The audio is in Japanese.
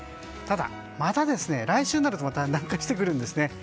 ただ、来週になるとまた南下してくるんですね。